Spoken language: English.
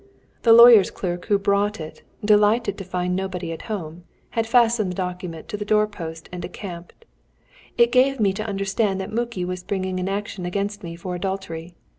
The lawyer's clerk who brought it, delighted to find nobody at home, had fastened the document to the door post and decamped. It gave me to understand that Muki was bringing an action against me for adultery.